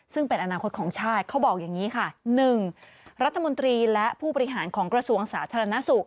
ซึ่งเป็นอนาคตของชาติเขาบอกอย่างนี้ค่ะ๑รัฐมนตรีและผู้บริหารของกระทรวงสาธารณสุข